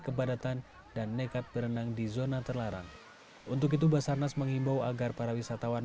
kepadatan dan nekat berenang di zona terlarang untuk itu basarnas menghimbau agar para wisatawan